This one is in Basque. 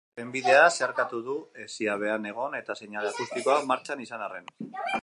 Trenbidea zeharkatu du, hesia behean egon eta seinale akustikoak martxan izan arren.